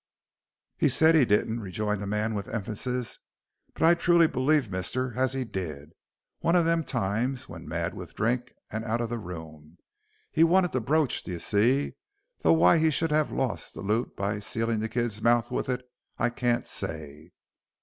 "He said he didn't," rejoined the man with emphasis, "but I truly believe, mister, as he did, one of them times, when mad with drink and out of the room. He wanted the brooch, d'ye see, though why he should have lost the loot by sealin' the kid's mouth with it I can't say."